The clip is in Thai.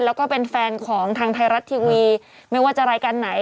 แล้วก็เป็นแฟนของทางไทยรัฐทีวีไม่ว่าจะรายการไหน